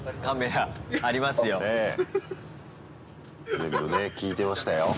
全部ね聞いてましたよ。